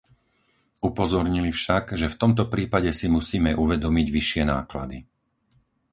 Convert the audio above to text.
Upozornili však, že v tomto prípade si musíme uvedomiť vyššie náklady.